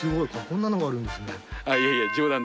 こんなのがあるんですね。